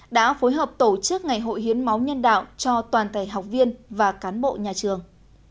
đã phối hợp tổ chức ngày hội hiến máu nhân đạo cho toàn thể học viên và cán bộ nhà trường